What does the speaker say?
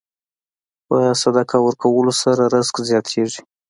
په صدقه ورکولو سره رزق زیاتېږي.